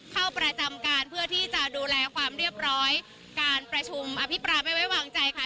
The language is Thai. เข้าประจำการเพื่อที่จะดูแลความเรียบร้อยการประชุมอภิปรายไม่ไว้วางใจค่ะ